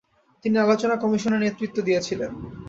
তিনি আলোচনা কমিশনের নেতৃত্ব দিয়েছিলেন।